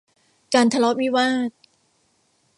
การทะเลาะวิวาท